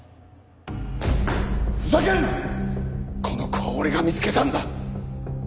この子は俺が見つけたんだ！